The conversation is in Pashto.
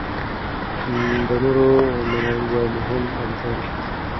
د نورو منل یوه مهمه اړتیا ده.